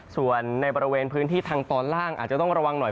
ส่วนในบริเวณพื้นที่ทางตอนล่างอาจจะต้องระวังหน่อย